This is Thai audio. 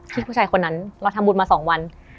ผู้ชายคนนั้นเราทำบุญมา๒วัน